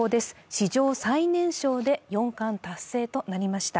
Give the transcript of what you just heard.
史上最年少で四冠達成となりました。